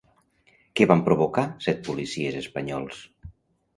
Què van provocar set policies espanyols?